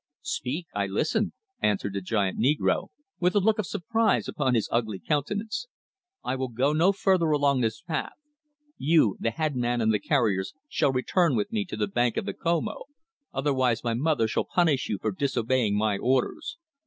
"Speak. I listen," answered the giant negro, with a look of surprise upon his ugly countenance. "I will go no further along this path. You, the head man and the carriers shall return with me to the bank of the Comoe, otherwise my mother shall punish you for disobeying my orders.